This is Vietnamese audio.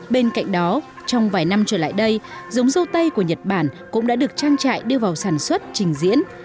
bên cạnh đó trong vài năm trở lại đây giống dâu tây của nhật bản cũng đã được trang trại đưa vào sản xuất trình diễn